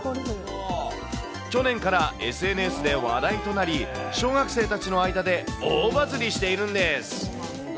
去年からＳＮＳで話題となり、小学生たちの間で大バズりしているんです。